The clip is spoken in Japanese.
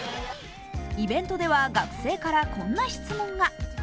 イベントでは学生からこんな質問が。